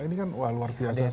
ini kan wah luar biasa sekali